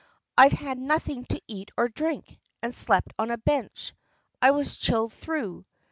... I've had nothing to eat or to drink, and slept on a bench, I was chilled through